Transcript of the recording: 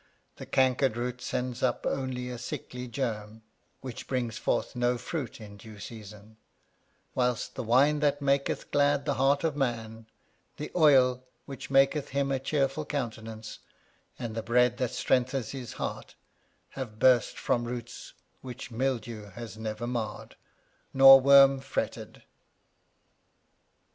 The cankered root sends up only a sickly germ, which brings forth no fruit in due season ; whilst the wine that maketh glad the heart of man, the oil which maketh him a cheerful countenance, and the bread that strengthens his heart, have burst from roots which mildew has never marred, nor worm fretted.